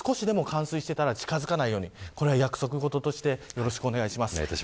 少しでも冠水していたら近づかないように約束事としてお願いします。